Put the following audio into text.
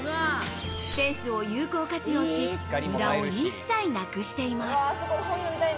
スペースを有効活用し、無駄を一切なくしています。